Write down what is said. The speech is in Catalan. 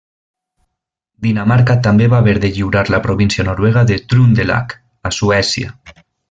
Dinamarca també va haver de lliurar la província noruega de Trøndelag a Suècia.